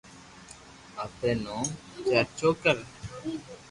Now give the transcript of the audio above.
آپري نوم چرچو ڪر